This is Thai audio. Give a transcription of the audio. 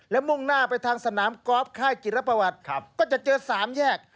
และมุ่งหน้าไปทางสนามกอล์ฟค่ายกิรประวัติก็จะเจอ๓แยก